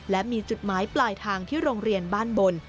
และมีจุดหมายปลายทางที่โรงเรียนบ้านบน